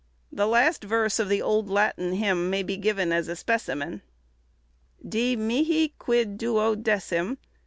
The last verse of the old Latin hymn may be given as a specimen:— "....Die mihi quid duodecim?